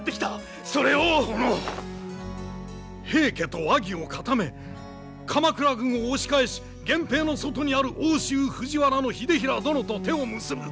平家と和議を固め鎌倉軍を押し返し源平の外にある奥州藤原秀衡殿と手を結ぶ。